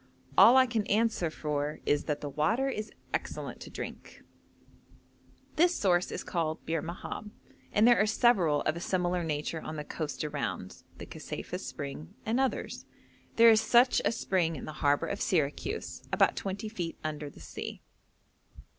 All I can answer for is that the water is excellent to drink. This source is called Bir Mahab, and there are several of a similar nature on the coast around: the Kaseifah spring and others. There is such a spring in the harbour of Syracuse, about twenty feet under the sea.